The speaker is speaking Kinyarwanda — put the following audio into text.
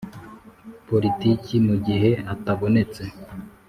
Politiki mu gihe atabonetse